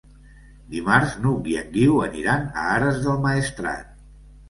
Dimarts n'Hug i en Guiu aniran a Ares del Maestrat.